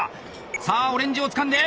さあオレンジをつかんで。